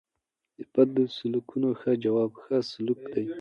د بدو سلوکو ښه جواب؛ ښه سلوک دئ.